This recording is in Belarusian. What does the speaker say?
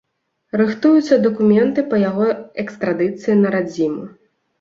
Рыхтуюцца дакументы па яго экстрадыцыі на радзіму.